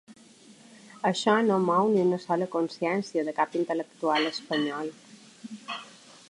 Això no mou ni una sola consciència de cap intel·lectual espanyol.